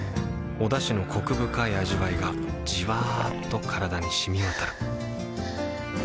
おだしのコク深い味わいがじわっと体に染み渡るはぁ。